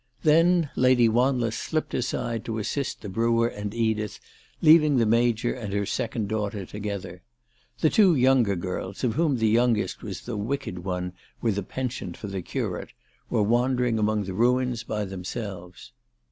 Then Lady Wanless slipped aside to assist the brewer and Edith, leaving the Major and her second daughter together. The two younger girls, of whom the youngest was the wicked one with the penchant for the curate, were wandering among the ruins by themselves.